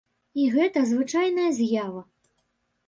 І гэта звычайная з'ява.